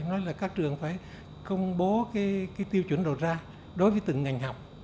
nói là các trường phải công bố cái tiêu chuẩn đầu ra đối với từng ngành học